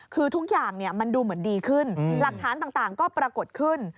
คือทุกอย่างมันดูเหมือนดีขึ้นหลักฐานต่างก็ปรากฏขึ้น